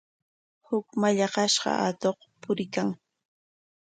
Huk mallaqnashqa atuq puriykan.